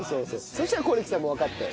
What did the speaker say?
そしたら是木さんもわかったよ。